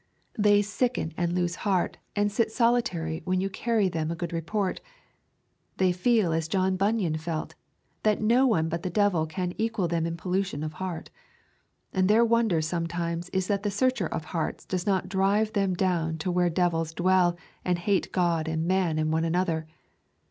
They sicken and lose heart and sit solitary when you carry to them a good report. They feel as John Bunyan felt, that no one but the devil can equal them in pollution of heart. And their wonder sometimes is that the Searcher of Hearts does not drive them down where devils dwell and hate God and man and one another.